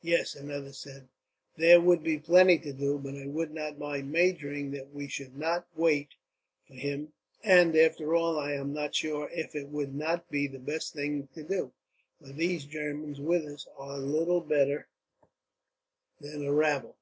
"Yes," another said, "there would be plenty to do, but I would not mind wagering that we should not wait for him; and after all, I am not sure if it would not be the best thing to do, for these Germans with us are little better than a rabble."